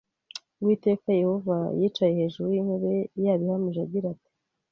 » Uwiteka Yehova yicaye hejuru y' intebe ye, yabihamije agira ati: